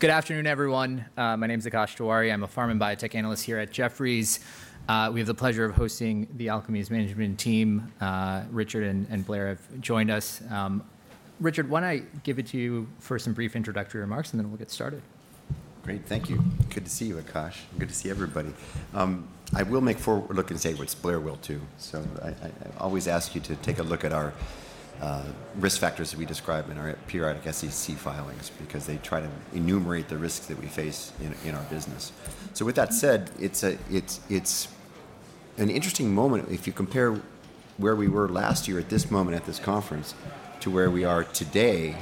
Good afternoon, everyone. My name is Akash Tewari. I'm a pharma and biotech analyst here at Jefferies. We have the pleasure of hosting the Alkermes Management Team. Richard and Blair have joined us. Richard, why don't I give it to you for some brief introductory remarks, and then we'll get started. Great. Thank you. Good to see you, Akash. Good to see everybody. I will make forward-looking statements and say what Blair will, too. So I always ask you to take a look at our risk factors that we describe in our periodic SEC filings, because they try to enumerate the risks that we face in our business. So with that said, it's an interesting moment if you compare where we were last year at this moment at this conference to where we are today,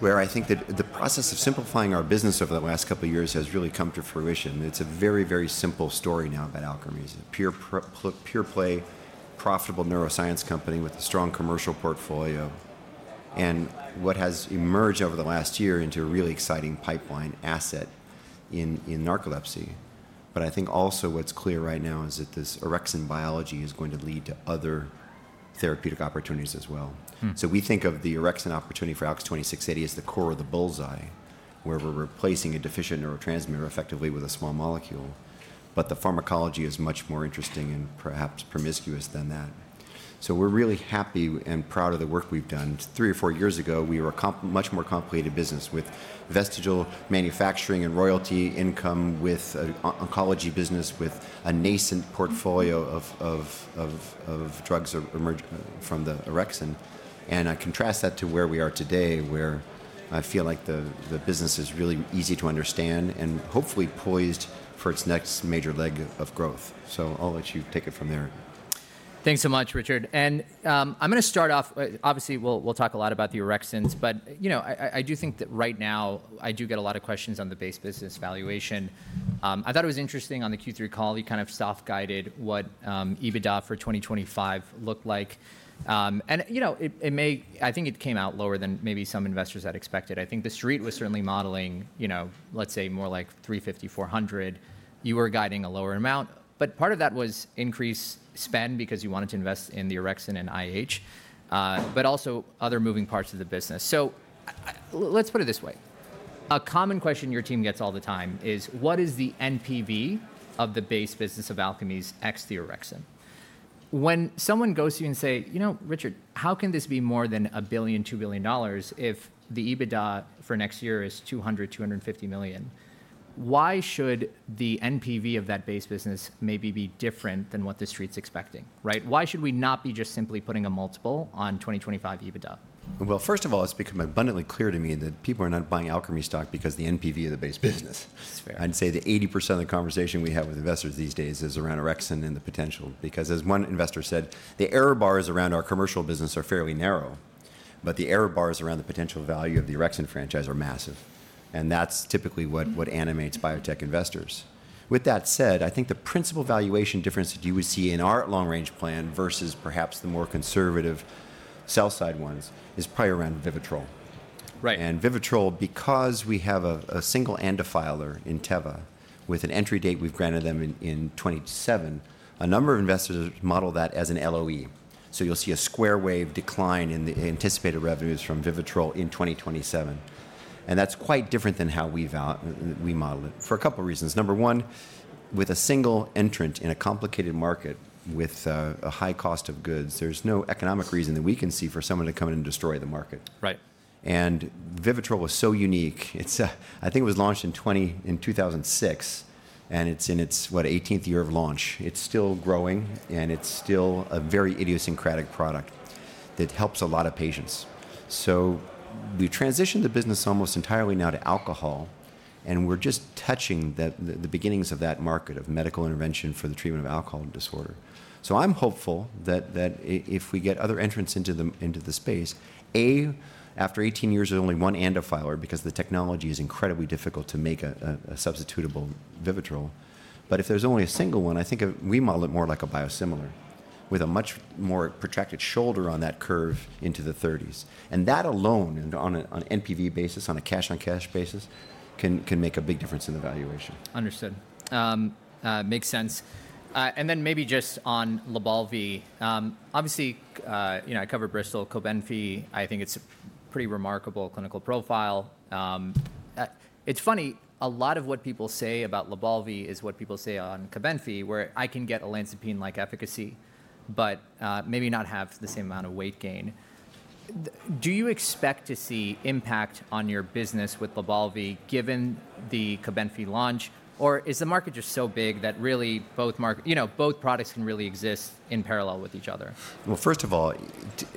where I think that the process of simplifying our business over the last couple of years has really come to fruition. It's a very, very simple story now about Alkermes, a pure-play, profitable neuroscience company with a strong commercial portfolio, and what has emerged over the last year into a really exciting pipeline asset in narcolepsy. But I think also what's clear right now is that this orexin biology is going to lead to other therapeutic opportunities as well. So we think of the orexin opportunity for ALKS 2680 as the core of the bullseye, where we're replacing a deficient neurotransmitter effectively with a small molecule. But the pharmacology is much more interesting and perhaps promiscuous than that. So we're really happy and proud of the work we've done. Three or four years ago, we were a much more complicated business with vestige manufacturing and royalty income, with an oncology business, with a nascent portfolio of drugs from the orexin. And I contrast that to where we are today, where I feel like the business is really easy to understand and hopefully poised for its next major leg of growth. So I'll let you take it from there. Thanks so much, Richard. And I'm going to start off obviously. We'll talk a lot about the orexins. But I do think that right now, I do get a lot of questions on the base business valuation. I thought it was interesting on the Q3 call. You kind of soft-guided what EBITDA for 2025 looked like. And I think it came out lower than maybe some investors had expected. I think the Street was certainly modeling, let's say, more like $350 million-$400 million. You were guiding a lower amount. But part of that was increased spend because you wanted to invest in the orexin and IH, but also other moving parts of the business. So let's put it this way. A common question your team gets all the time is, what is the NPV of the base business of Alkermes ex the orexin? When someone goes to you and says, you know, Richard, how can this be more than $1 billion, $2 billion if the EBITDA for next year is $200 million-$250 million? Why should the NPV of that base business maybe be different than what the Street's expecting? Why should we not be just simply putting a multiple on 2025 EBITDA? First of all, it's become abundantly clear to me that people are not buying Alkermes stock because of the NPV of the base business. I'd say that 80% of the conversation we have with investors these days is around orexin and the potential. Because, as one investor said, the error bars around our commercial business are fairly narrow. But the error bars around the potential value of the orexin franchise are massive. And that's typically what animates biotech investors. With that said, I think the principal valuation difference that you would see in our long-range plan versus perhaps the more conservative sell-side ones is probably around VIVITROL. And VIVITROL, because we have a single ANDA filer in Teva with an entry date we've granted them in 2027, a number of investors model that as an LOE. So you'll see a square wave decline in the anticipated revenues from VIVITROL in 2027. And that's quite different than how we model it for a couple of reasons. Number one, with a single entrant in a complicated market with a high cost of goods, there's no economic reason that we can see for someone to come in and destroy the market. And VIVITROL was so unique. I think it was launched in 2006. And it's in its, what, 18th year of launch. It's still growing. And it's still a very idiosyncratic product that helps a lot of patients. So we've transitioned the business almost entirely now to alcohol. And we're just touching the beginnings of that market of medical intervention for the treatment of alcohol disorder. I'm hopeful that if we get other entrants into the space, after 18 years, there's only one ANDA filer, because the technology is incredibly difficult to make a substitutable VIVITROL. If there's only a single one, I think we model it more like a biosimilar with a much more protracted shoulder on that curve into the '30s. That alone, on an NPV basis, on a cash-on-cash basis, can make a big difference in the valuation. Understood. Makes sense. And then maybe just on LYBALVI, obviously, I covered Bristol, COBENFY. I think it's a pretty remarkable clinical profile. It's funny, a lot of what people say about LYBALVI is what people say on COBENFY, where I can get olanzapine-like efficacy, but maybe not have the same amount of weight gain. Do you expect to see impact on your business with LYBALVI, given the COBENFY launch? Or is the market just so big that really both products can really exist in parallel with each other? First of all,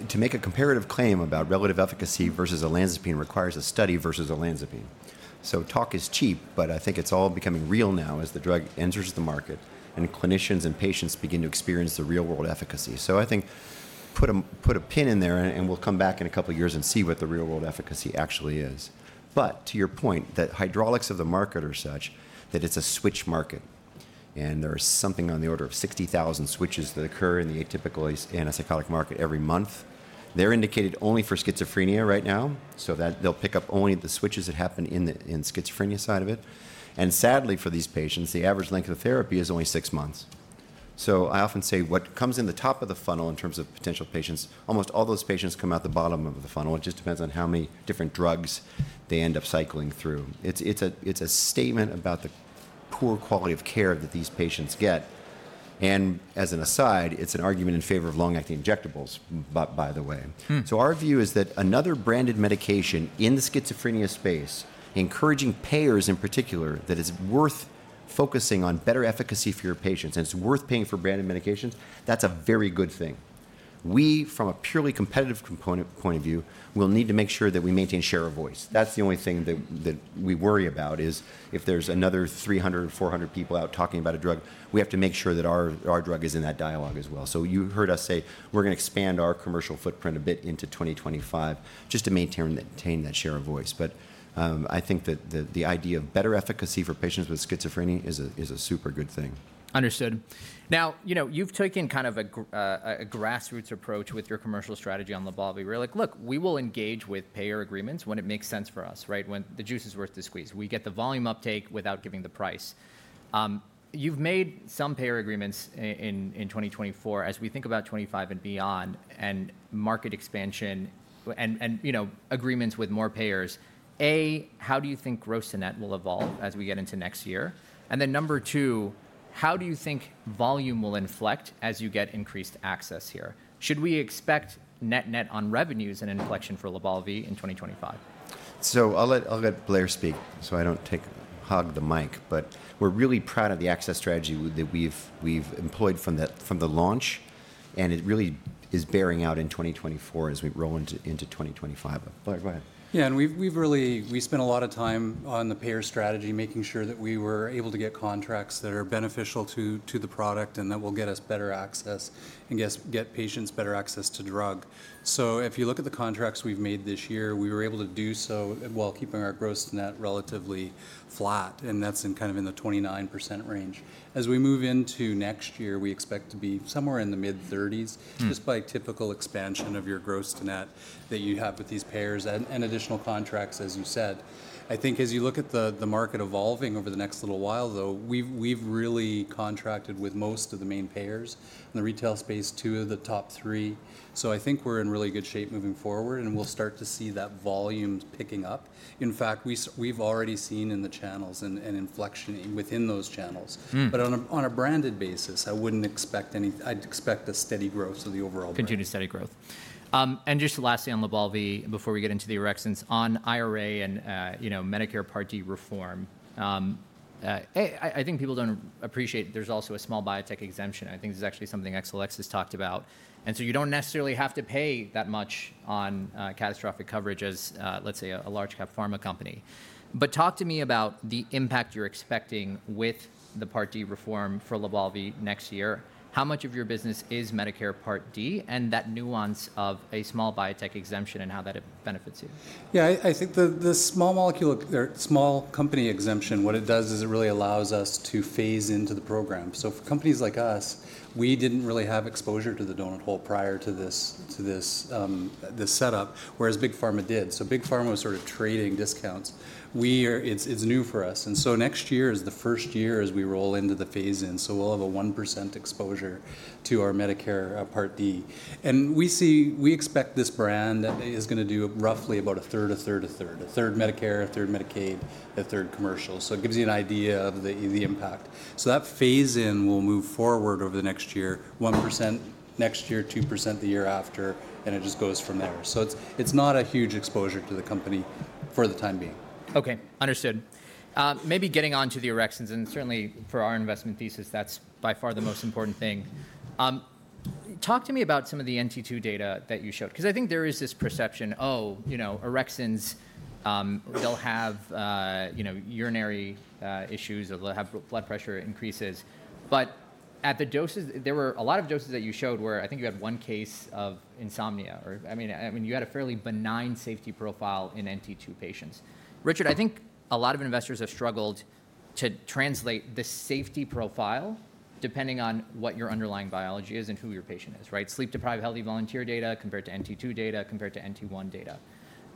to make a comparative claim about relative efficacy versus olanzapine requires a study versus olanzapine. Talk is cheap, but I think it's all becoming real now as the drug enters the market and clinicians and patients begin to experience the real-world efficacy. I think put a pin in there, and we'll come back in a couple of years and see what the real-world efficacy actually is. To your point, the dynamics of the market are such that it's a switch market. And there are something on the order of 60,000 switches that occur in the atypical antipsychotic market every month. They're indicated only for schizophrenia right now. So they'll pick up only the switches that happen in the schizophrenia side of it. And sadly for these patients, the average length of therapy is only six months. So I often say what comes in the top of the funnel in terms of potential patients, almost all those patients come out the bottom of the funnel. It just depends on how many different drugs they end up cycling through. It's a statement about the poor quality of care that these patients get. And as an aside, it's an argument in favor of long-acting injectables, by the way. So our view is that another branded medication in the schizophrenia space, encouraging payers in particular, that it's worth focusing on better efficacy for your patients, and it's worth paying for branded medications, that's a very good thing. We, from a purely competitive point of view, will need to make sure that we maintain share of voice. That's the only thing that we worry about, is if there's another 300, 400 people out talking about a drug, we have to make sure that our drug is in that dialogue as well. So you heard us say we're going to expand our commercial footprint a bit into 2025, just to maintain that share of voice. But I think that the idea of better efficacy for patients with schizophrenia is a super good thing. Understood. Now, you've taken kind of a grassroots approach with your commercial strategy on LYBALVI. We're like, look, we will engage with payer agreements when it makes sense for us, when the juice is worth the squeeze. We get the volume uptake without giving the price. You've made some payer agreements in 2024. As we think about 2025 and beyond and market expansion and agreements with more payers, A, how do you think gross to net will evolve as we get into next year? And then number two, how do you think volume will inflect as you get increased access here? Should we expect net-net on revenues an inflection for LYBALVI in 2025? So I'll let Blair speak so I don't hog the mic. But we're really proud of the access strategy that we've employed from the launch. And it really is bearing out in 2024 as we roll into 2025. Blair, go ahead. Yeah. And we spent a lot of time on the payer strategy, making sure that we were able to get contracts that are beneficial to the product and that will get us better access and get patients better access to drug. So if you look at the contracts we've made this year, we were able to do so while keeping our gross-to-net relatively flat. And that's kind of in the 29% range. As we move into next year, we expect to be somewhere in the mid-30s%, just by typical expansion of your gross-to-net that you have with these payers and additional contracts, as you said. I think as you look at the market evolving over the next little while, though, we've really contracted with most of the main payers in the retail space, two of the top three. So I think we're in really good shape moving forward. And we'll start to see that volume picking up. In fact, we've already seen in the channels an inflection within those channels. But on a branded basis, I wouldn't expect any. I'd expect a steady growth of the overall market. Continued steady growth. And just lastly on LYBALVI, before we get into the orexins, on IRA and Medicare Part D reform, I think people don't appreciate there's also a small biotech exemption. I think this is actually something ALKS has talked about. And so you don't necessarily have to pay that much on catastrophic coverage as, let's say, a large-cap pharma company. But talk to me about the impact you're expecting with the Part D reform for LYBALVI next year. How much of your business is Medicare Part D and that nuance of a small biotech exemption and how that benefits you? Yeah. I think the small company exemption, what it does is it really allows us to phase into the program. So for companies like us, we didn't really have exposure to the donut hole prior to this setup, whereas big pharma did. So big pharma was sort of trading discounts. It's new for us. And so next year is the first year as we roll into the phase-in. So we'll have a 1% exposure to our Medicare Part D. And we expect this brand is going to do roughly a third Medicare, a third Medicaid, a third commercial. So it gives you an idea of the impact. So that phase-in will move forward over the next year, 1% next year, 2% the year after. And it just goes from there. So it's not a huge exposure to the company for the time being. OK. Understood. Maybe getting on to the orexins, and certainly, for our investment thesis, that's by far the most important thing. Talk to me about some of the NT2 data that you showed. Because I think there is this perception, oh, orexins, they'll have urinary issues, they'll have blood pressure increases, but at the doses, there were a lot of doses that you showed where I think you had one case of insomnia. I mean, you had a fairly benign safety profile in NT2 patients. Richard, I think a lot of investors have struggled to translate the safety profile depending on what your underlying biology is and who your patient is. Sleep-deprived, healthy volunteer data compared to NT2 data, compared to NT1 data.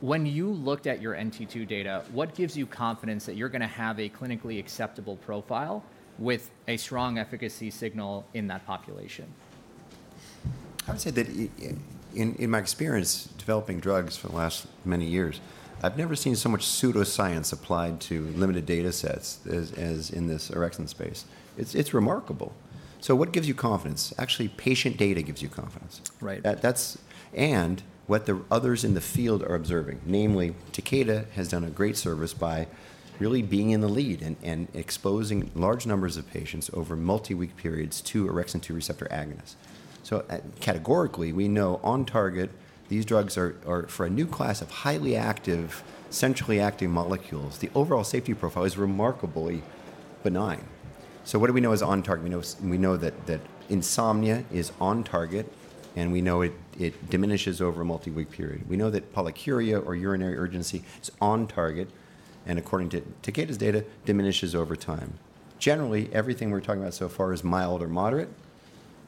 When you looked at your NT2 data, what gives you confidence that you're going to have a clinically acceptable profile with a strong efficacy signal in that population? I would say that in my experience developing drugs for the last many years, I've never seen so much pseudoscience applied to limited data sets as in this orexin space. It's remarkable. So what gives you confidence? Actually, patient data gives you confidence. And what the others in the field are observing, namely, Takeda has done a great service by really being in the lead and exposing large numbers of patients over multi-week periods to orexin 2 receptor agonists. So categorically, we know on target, these drugs are for a new class of highly active, centrally active molecules. The overall safety profile is remarkably benign. So what do we know is on target? We know that insomnia is on target. And we know it diminishes over a multi-week period. We know that polyuria or urinary urgency is on target. And according to Takeda's data, diminishes over time. Generally, everything we're talking about so far is mild or moderate.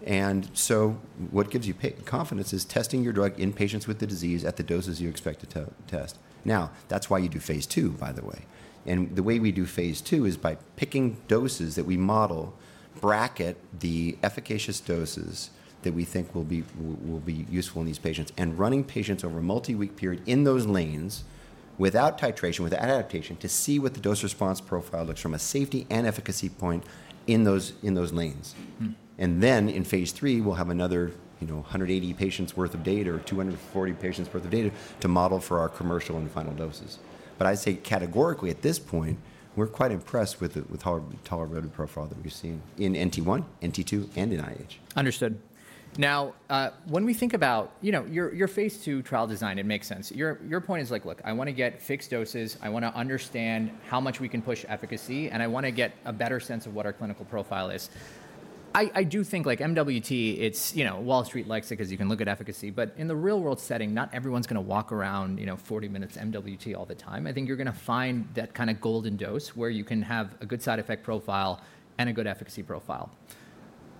And so what gives you confidence is testing your drug in patients with the disease at the doses you expect to test. Now, that's why you do phase II, by the way. And the way we do phase II is by picking doses that we model, bracket the efficacious doses that we think will be useful in these patients, and running patients over a multi-week period in those lanes without titration, without adaptation, to see what the dose response profile looks from a safety and efficacy point in those lanes. And then in phase III, we'll have another 180 patients' worth of data or 240 patients' worth of data to model for our commercial and final doses. But I'd say categorically, at this point, we're quite impressed with how our relative profile that we've seen in NT1, NT2, and in IH. Understood. Now, when we think about your phase II trial design, it makes sense. Your point is like, look, I want to get fixed doses. I want to understand how much we can push efficacy. And I want to get a better sense of what our clinical profile is. I do think like MWT, it's Wall Street likes it because you can look at efficacy. But in the real-world setting, not everyone's going to walk around 40 minutes MWT all the time. I think you're going to find that kind of golden dose where you can have a good side effect profile and a good efficacy profile.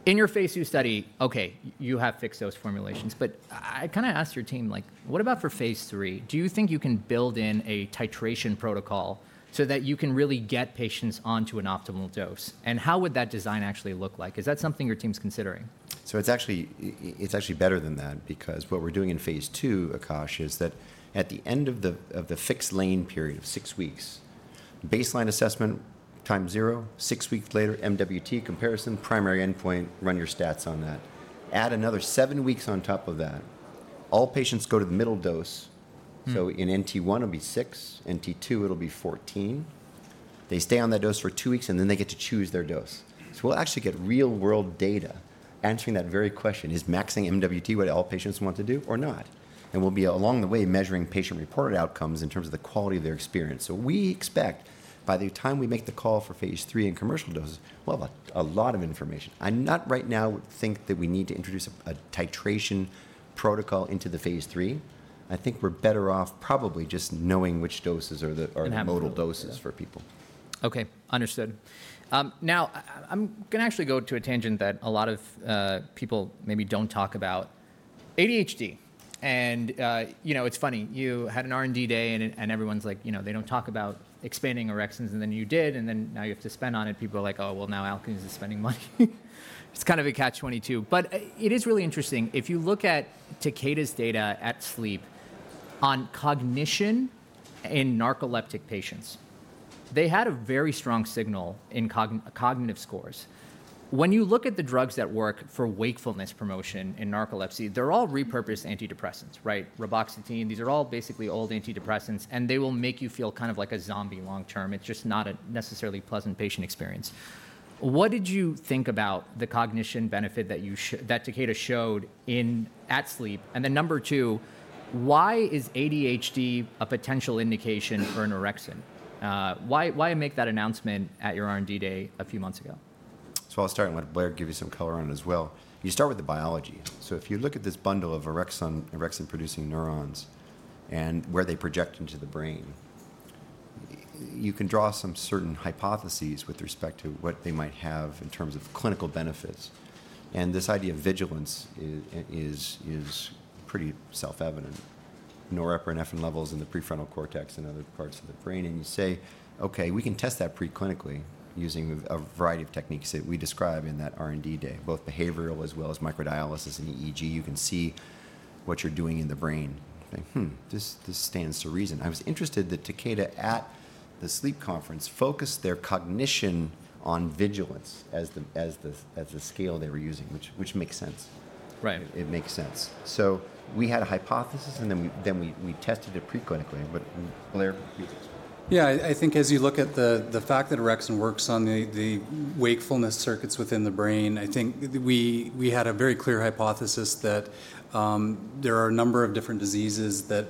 In your phase II study, OK, you have fixed dose formulations. But I kind of asked your team, what about for phase III? Do you think you can build in a titration protocol so that you can really get patients onto an optimal dose? And how would that design actually look like? Is that something your team's considering? So it's actually better than that. Because what we're doing in phase II, Akash, is that at the end of the fixed-dose period of six weeks, baseline assessment time zero, six weeks later, MWT comparison, primary endpoint, run your stats on that. Add another seven weeks on top of that. All patients go to the middle dose. So in NT1, it'll be six. NT2, it'll be 14. They stay on that dose for two weeks. And then they get to choose their dose. So we'll actually get real-world data answering that very question. Is maxing MWT what all patients want to do or not? And we'll be along the way measuring patient-reported outcomes in terms of the quality of their experience. So we expect by the time we make the call for phase III and commercial doses, we'll have a lot of information. I do not right now think that we need to introduce a titration protocol into the phase III. I think we're better off probably just knowing which doses are the modal doses for people. OK. Understood. Now, I'm going to actually go to a tangent that a lot of people maybe don't talk about, ADHD. And it's funny. You had an R&D day. And everyone's like, they don't talk about expanding orexins. And then you did. And then now you have to spend on it. People are like, oh, well, now Alkermes is spending money. It's kind of a Catch-22. But it is really interesting. If you look at Takeda's data at sleep on cognition in narcoleptic patients, they had a very strong signal in cognitive scores. When you look at the drugs that work for wakefulness promotion in narcolepsy, they're all repurposed antidepressants, right? Reboxetine, these are all basically old antidepressants. And they will make you feel kind of like a zombie long term. It's just not a necessarily pleasant patient experience. What did you think about the cognition benefit that Takeda showed at Sleep? And then number two, why is ADHD a potential indication for an orexin? Why make that announcement at your R&D day a few months ago? So I'll start and let Blair give you some color on it as well. You start with the biology. So if you look at this bundle of orexin producing neurons and where they project into the brain, you can draw some certain hypotheses with respect to what they might have in terms of clinical benefits. And this idea of vigilance is pretty self-evident. Norepinephrine levels in the prefrontal cortex and other parts of the brain. And you say, OK, we can test that preclinically using a variety of techniques that we describe in that R&D day, both behavioral as well as microdialysis and EEG. You can see what you're doing in the brain. This stands to reason. I was interested that Takeda at the sleep conference focused their cognition on vigilance as the scale they were using, which makes sense. It makes sense. So we had a hypothesis. Then we tested it preclinically. Blair, you take us back. Yeah. I think as you look at the fact that orexin works on the wakefulness circuits within the brain, I think we had a very clear hypothesis that there are a number of different diseases that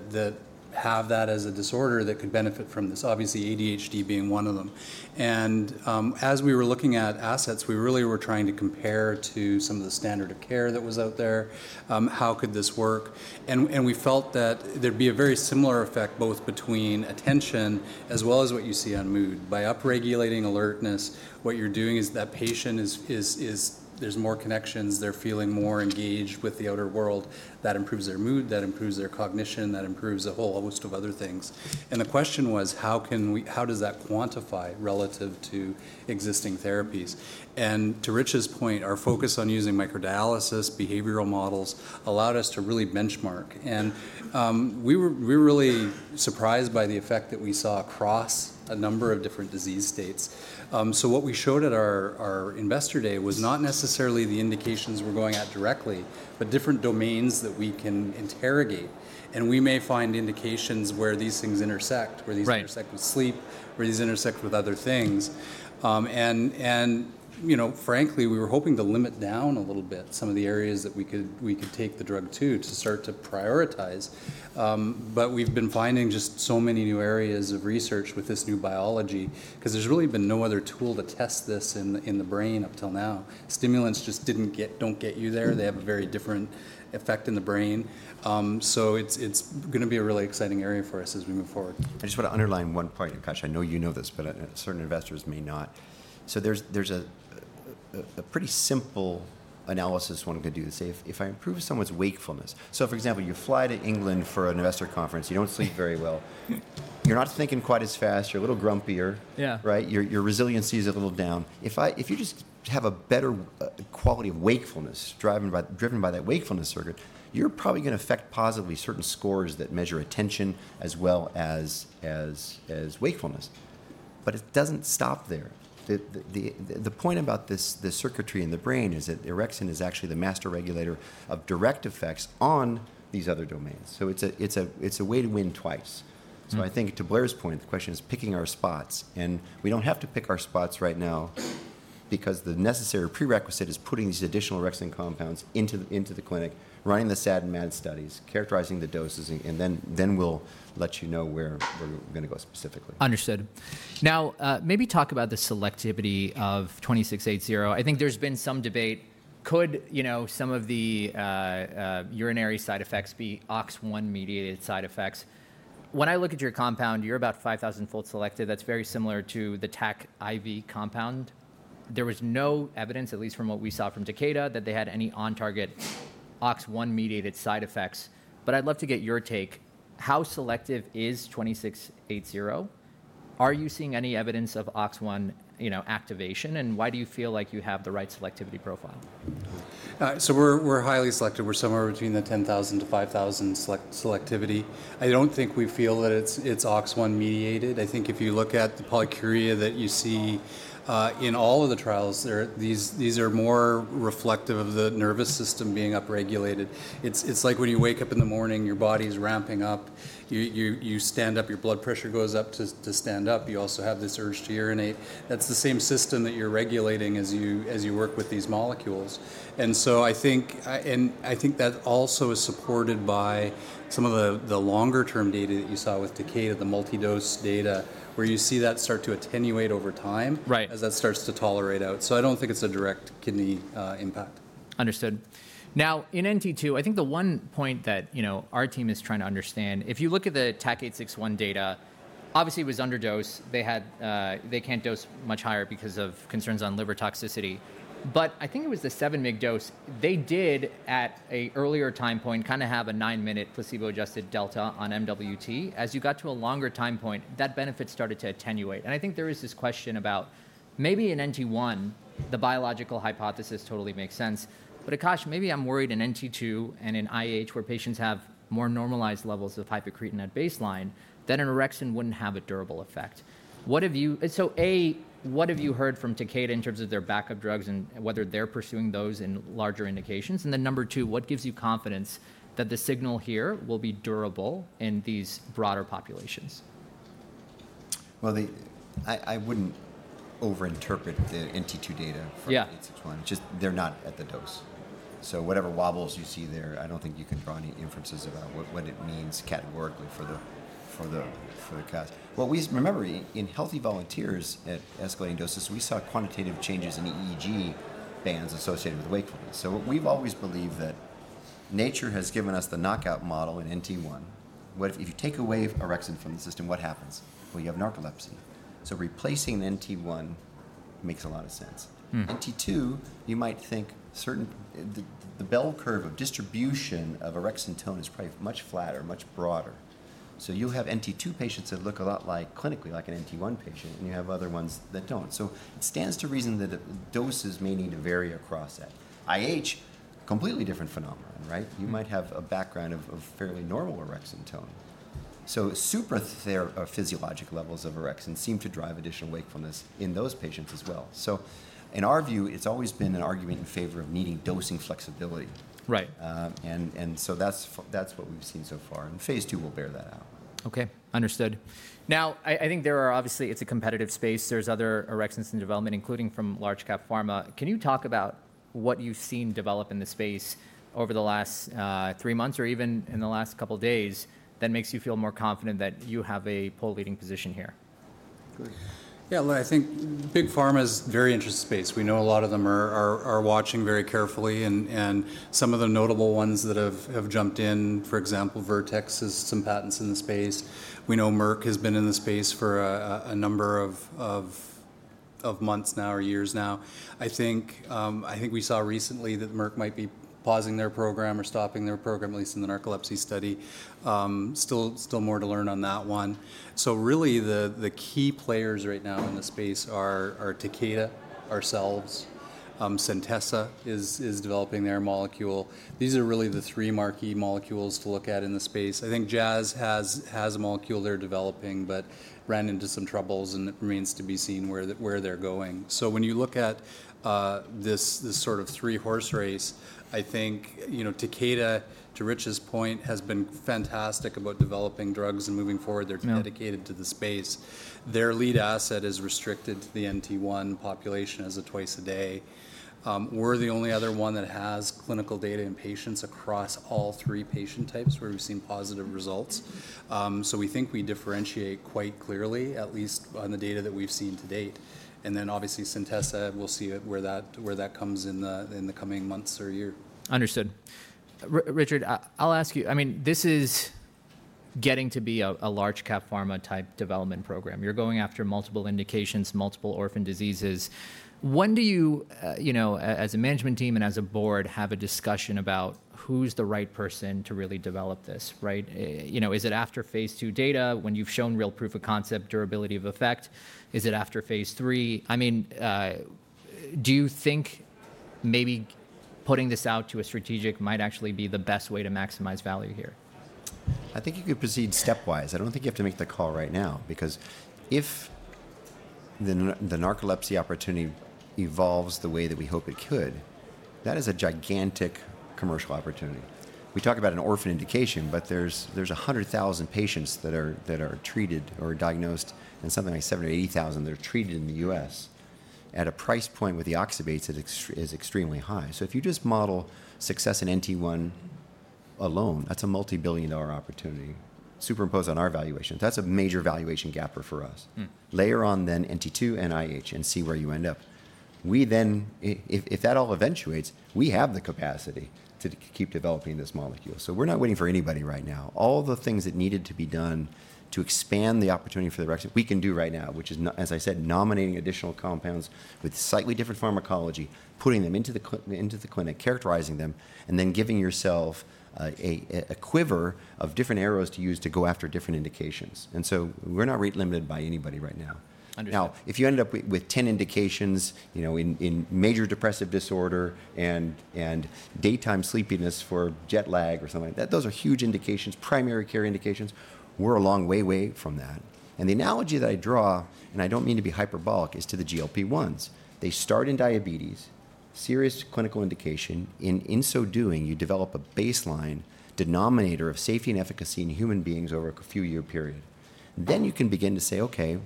have that as a disorder that could benefit from this, obviously ADHD being one of them. And as we were looking at assets, we really were trying to compare to some of the standard of care that was out there, how could this work? And we felt that there'd be a very similar effect both between attention as well as what you see on mood. By upregulating alertness, what you're doing is that patient, there's more connections. They're feeling more engaged with the outer world. That improves their mood. That improves their cognition. That improves a whole host of other things. And the question was, how does that quantify relative to existing therapies? To Rich's point, our focus on using microdialysis, behavioral models allowed us to really benchmark. We were really surprised by the effect that we saw across a number of different disease states. What we showed at our investor day was not necessarily the indications we're going at directly, but different domains that we can interrogate. We may find indications where these things intersect, where these intersect with sleep, where these intersect with other things. Frankly, we were hoping to limit down a little bit some of the areas that we could take the drug to to start to prioritize. We've been finding just so many new areas of research with this new biology. There's really been no other tool to test this in the brain up till now. Stimulants just don't get you there. They have a very different effect in the brain. It's going to be a really exciting area for us as we move forward. I just want to underline one point, Akash. I know you know this. But certain investors may not. So there's a pretty simple analysis one could do to say, if I improve someone's wakefulness, so for example, you fly to England for an investor conference. You don't sleep very well. You're not thinking quite as fast. You're a little grumpier. Your resiliency is a little down. If you just have a better quality of wakefulness driven by that wakefulness circuit, you're probably going to affect positively certain scores that measure attention as well as wakefulness. But it doesn't stop there. The point about the circuitry in the brain is that orexin is actually the master regulator of direct effects on these other domains. So it's a way to win twice. So I think to Blair's point, the question is picking our spots. We don't have to pick our spots right now. Because the necessary prerequisite is putting these additional orexin compounds into the clinic, running the SAD and MAD studies, characterizing the doses. Then we'll let you know where we're going to go specifically. Understood. Now, maybe talk about the selectivity of 2680. I think there's been some debate. Could some of the urinary side effects be OX1-mediated side effects? When I look at your compound, you're about 5,000-fold selective. That's very similar to the TAK I.V. compound. There was no evidence, at least from what we saw from Takeda, that they had any on-target OX1-mediated side effects. But I'd love to get your take. How selective is 2680? Are you seeing any evidence of OX1 activation? And why do you feel like you have the right selectivity profile? We're highly selective. We're somewhere between 10,000-5,000 fold selectivity. I don't think we feel that it's OX1-mediated. I think if you look at the polyuria that you see in all of the trials, these are more reflective of the nervous system being upregulated. It's like when you wake up in the morning, your body's ramping up. You stand up, your blood pressure goes up to stand up. You also have this urge to urinate. That's the same system that you're regulating as you work with these molecules. And so I think that also is supported by some of the longer-term data that you saw with Takeda, the multi-dose data, where you see that start to attenuate over time as that starts to tolerate out. I don't think it's a direct kidney impact. Understood. Now, in NT2, I think the one point that our team is trying to understand, if you look at the TAK-861 data, obviously it was under dose. They can't dose much higher because of concerns on liver toxicity. But I think it was the seven-mg dose. They did at an earlier time point kind of have a 9-minute placebo-adjusted delta on MWT. As you got to a longer time point, that benefit started to attenuate. And I think there is this question about maybe in NT1, the biological hypothesis totally makes sense. But Akash, maybe I'm worried in NT2 and in IH, where patients have more normalized levels of hypocretin at baseline, that an orexin wouldn't have a durable effect. So A, what have you heard from Takeda in terms of their backup drugs and whether they're pursuing those in larger indications? And then number two, what gives you confidence that the signal here will be durable in these broader populations? I wouldn't overinterpret the NT2 data for TAK-861. They're not at the dose. So whatever wobbles you see there, I don't think you can draw any inferences about what it means categorically for the class. Remember, in healthy volunteers at escalating doses, we saw quantitative changes in EEG bands associated with wakefulness. So we've always believed that nature has given us the knockout model in NT1. If you take away orexin from the system, what happens? You have narcolepsy. So replacing NT1 makes a lot of sense. NT2, you might think the bell curve of distribution of orexin tone is probably much flatter, much broader. So you'll have NT2 patients that look a lot clinically like an NT1 patient. And you have other ones that don't. So it stands to reason that doses may need to vary across that. IH, completely different phenomenon, right? You might have a background of fairly normal orexin tone. So supraphysiologic levels of orexin seem to drive additional wakefulness in those patients as well. So in our view, it's always been an argument in favor of needing dosing flexibility. And so that's what we've seen so far. And phase II will bear that out. OK. Understood. Now, I think there are obviously. It's a competitive space. There's other orexins in development, including from large-cap pharma. Can you talk about what you've seen develop in the space over the last three months or even in the last couple of days that makes you feel more confident that you have a pole position here? Yeah. I think big pharma is a very interesting space. We know a lot of them are watching very carefully. And some of the notable ones that have jumped in, for example, Vertex has some patents in the space. We know Merck has been in the space for a number of months now or years now. I think we saw recently that Merck might be pausing their program or stopping their program, at least in the narcolepsy study. Still more to learn on that one. So really, the key players right now in the space are Takeda, ourselves. Centessa is developing their molecule. These are really the three marquee molecules to look at in the space. I think Jazz has a molecule they're developing but ran into some troubles. And it remains to be seen where they're going. So when you look at this sort of three-horse race, I think Takeda, to Rich's point, has been fantastic about developing drugs and moving forward. They're dedicated to the space. Their lead asset is restricted to the NT1 population as a twice-a-day. We're the only other one that has clinical data in patients across all three patient types where we've seen positive results. So we think we differentiate quite clearly, at least on the data that we've seen to date. And then obviously, Centessa, we'll see where that comes in the coming months or year. Understood. Richard, I'll ask you. I mean, this is getting to be a large-cap pharma type development program. You're going after multiple indications, multiple orphan diseases. When do you, as a management team and as a board, have a discussion about who's the right person to really develop this? Is it after phase II data when you've shown real proof of concept, durability of effect? Is it after phase III? I mean, do you think maybe putting this out to a strategic might actually be the best way to maximize value here? I think you could proceed stepwise. I don't think you have to make the call right now. Because if the narcolepsy opportunity evolves the way that we hope it could, that is a gigantic commercial opportunity. We talk about an orphan indication. But there's 100,000 patients that are treated or diagnosed in something like 70,000 or 80,000 that are treated in the U.S. at a price point with the oxybates that is extremely high. So if you just model success in NT1 alone, that's a multi-billion-dollar opportunity superimposed on our valuation. That's a major valuation gapper for us. Layer on then NT2 and IH and see where you end up. If that all eventuates, we have the capacity to keep developing this molecule. So we're not waiting for anybody right now. All the things that needed to be done to expand the opportunity for the orexin, we can do right now, which is, as I said, nominating additional compounds with slightly different pharmacology, putting them into the clinic, characterizing them, and then giving yourself a quiver of different arrows to use to go after different indications, and so we're not rate-limited by anybody right now. Now, if you end up with 10 indications in major depressive disorder and daytime sleepiness for jet lag or something like that, those are huge indications, primary care indications. We're a long way, way from that, and the analogy that I draw, and I don't mean to be hyperbolic, is to the GLP-1s. They start in diabetes, serious clinical indication. In so doing, you develop a baseline denominator of safety and efficacy in human beings over a few-year period. Then you can begin to say, OK,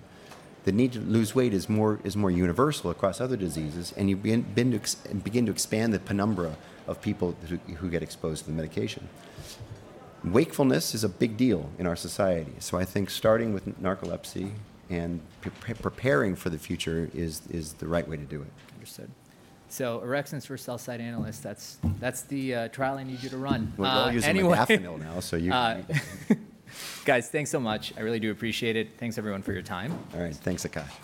the need to lose weight is more universal across other diseases. And you begin to expand the penumbra of people who get exposed to the medication. Wakefulness is a big deal in our society. So I think starting with narcolepsy and preparing for the future is the right way to do it. Understood. So orexins for sell-side analysts, that's the trial I need you to run. We'll use the $500,000 now. Guys, thanks so much. I really do appreciate it. Thanks, everyone, for your time. All right. Thanks, Akash.